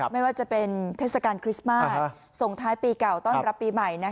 ไม่ว่าจะเป็นเทศกาลคริสต์มาสส่งท้ายปีเก่าต้อนรับปีใหม่